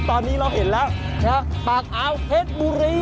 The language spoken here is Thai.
ตอนนี้เราเห็นแล้วปากอาวเพชรบุรี